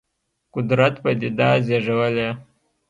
قدرت پدیده زېږولې.